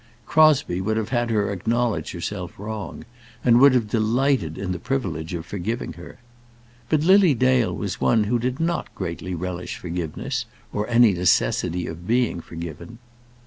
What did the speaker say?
Crosbie would have had her acknowledge herself wrong, and would have delighted in the privilege of forgiving her. But Lily Dale was one who did not greatly relish forgiveness, or any necessity of being forgiven.